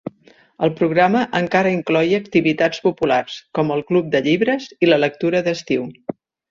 El programa encara incloïa activitats populars, com el "Club de llibres" i la "Lectura d"estiu".